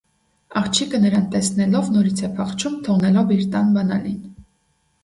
Աղջիկը նրան տեսնելով՝ նորից է փախչում՝ թողնելով իր տան բանալին։